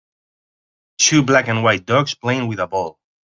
Two black and white dogs playing with a ball.